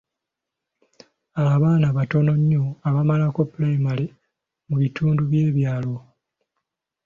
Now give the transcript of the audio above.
Abaana batono nnyo abamalako pulayimale mu bitundu by'ebyalo.